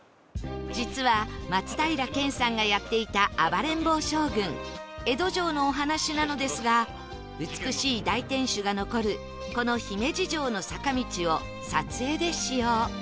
実は松平健さんがやっていた『暴れん坊将軍』江戸城のお話なのですが美しい大天守が残るこの姫路城の坂道を撮影で使用